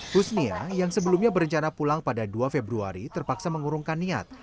husnia yang sebelumnya berencana pulang pada dua februari terpaksa mengurungkan niat